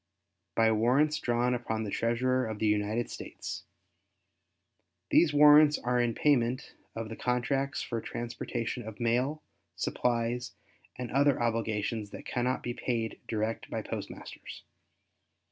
By Warrants Drawn upon the Treasurer of the United States.—These warrants are in payment of the contracts for transportation of mail, supplies, and other obligations that cannot be paid direct by postmasters.